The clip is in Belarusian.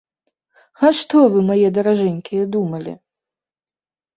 А што вы, мае даражэнькія, думалі!